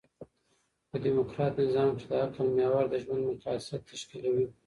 په ډيموکراټ نظام کښي د عقل محور د ژوند مقاصد تشکیلوي.